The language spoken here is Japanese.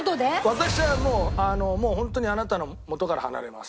「私はもうもう本当にあなたの元から離れます」。